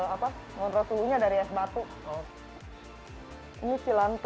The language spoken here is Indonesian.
aspek waktu menjadi hal penting untuk menciptakan rancangan